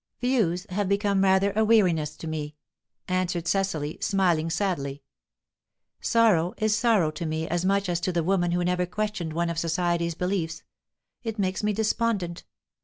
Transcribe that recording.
"'Views' have become rather a weariness to me," answered Cecily, smiling sadly. "Sorrow is sorrow to me as much as to the woman who never questioned one of society's beliefs; it makes me despondent.